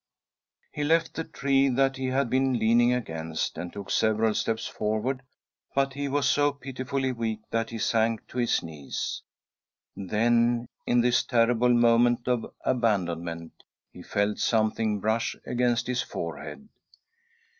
. "He left the tree that he had been leaning against, and took several steps forward, but he was so pitifully weak that he sank to his knees. Then, in this terrible moment of abandonment, he felt something brush against his forehead.